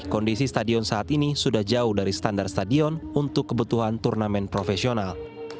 kondisi stadion saat ini sudah jauh dari standar stadion untuk kebutuhan turnamen profesional